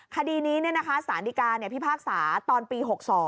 คดีนี้นะคะศาลดิกาพิพากษาตอนปี๖๒